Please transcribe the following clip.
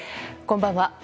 こんばんは。